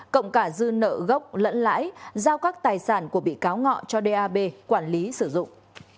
cộng cả dư nợ gốc lẫn lãi giao các tài sản của bị cáo ngọ cho dap quản lý sử dụng